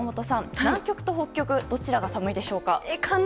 南極と北極どちらが寒いでしょうか。